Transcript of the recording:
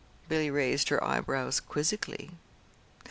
Billy raised her eyebrows quizzically.